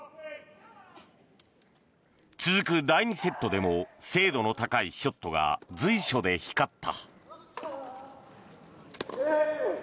続く第２セットでも精度の高いショットが随所で光った。